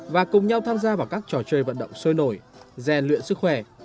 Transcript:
và cùng nhau tham gia vào các trò chơi vận động sôi nổi gian luyện sức khỏe